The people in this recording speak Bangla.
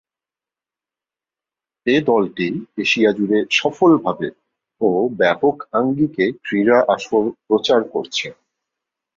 এ দলটি এশিয়া জুড়ে সফলভাবে ও ব্যাপক আঙ্গিকে ক্রীড়া আসর প্রচার করছে।